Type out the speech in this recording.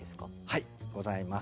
はいございます。